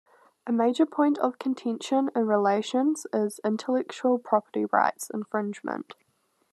A major point of contention in relations is intellectual property rights infringement.